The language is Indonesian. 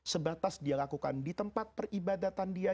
sebatas dia lakukan di tempat peribadatan dia